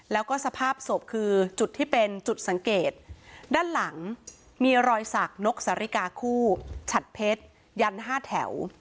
แล้วก็สภาพศพคือจุดที่เป็นจุดสังเกตด้านหลังมีรอยสักนกสาริกาคู่ฉัดเพชรยัน๕แถว